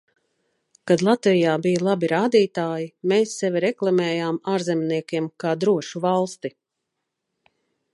Kad Latvijā bija labi rādītāji, mēs sevi reklamējām ārzemniekiem kā drošu valsti.